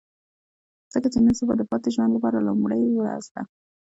ځکه چې نن ستا د پاتې ژوند لپاره لومړۍ ورځ ده.